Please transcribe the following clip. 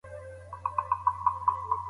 د علم په واسطه تل لوی پرمختګ ترلاسه کېږي.